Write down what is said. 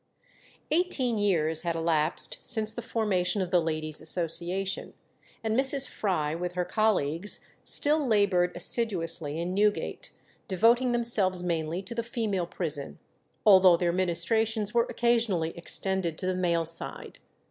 Eighteen years had elapsed since the formation of the "Ladies' Association," and Mrs. Fry with her colleagues still laboured assiduously in Newgate, devoting themselves mainly to the female prison, although their ministrations were occasionally extended to the male side.